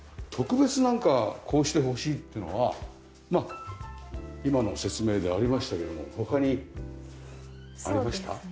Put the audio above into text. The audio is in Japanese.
特別なんかこうしてほしいっていうのはまあ今の説明でありましたけども他にありました？